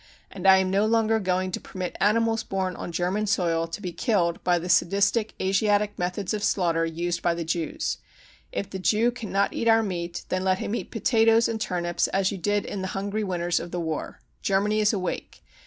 And I am no longer going to permit animals born on German soil to be killed by the sadistic Asiatic methods of slaughter used by the Jews. If the Jew cannot eat our meat then let him eat potatoes and turnips as you did in the hungry winters of the war. Germany is awake.